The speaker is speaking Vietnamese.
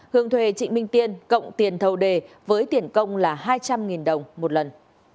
hương thuê trịnh minh tiên cộng tiền thầu đề với tiền công là hai trăm linh đồng một lần